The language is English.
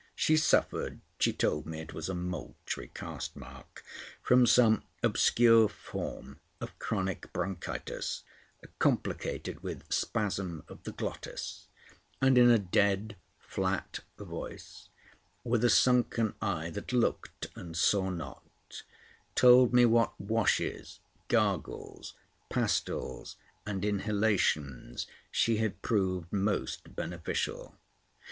She suffered—she told me it was a Moultrie castemark—from some obscure form of chronic bronchitis, complicated with spasm of the glottis; and, in a dead, flat voice, with a sunken eye that looked and saw not, told me what washes, gargles, pastilles, and inhalations she had proved most beneficial.